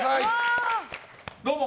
どうも。